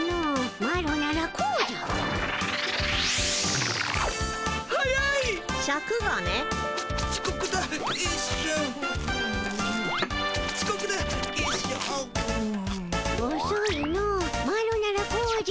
マロならこうじゃ。